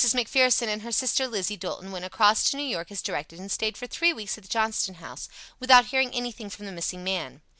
McPherson and her sister Lizzie Dolton went across to New York as directed and stayed for three weeks at the Johnston House, without hearing anything from the missing man.